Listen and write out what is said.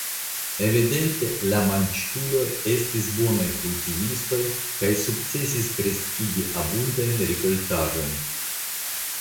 Evidente la Manĝtuloj estis bonaj kultivistoj kaj sukcesis kreskigi abundajn rikoltaĵojn.